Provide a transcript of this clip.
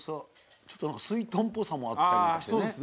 ちょっと、すいとんっぽさもあったりしてね。